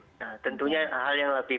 nah tentunya hal yang lebih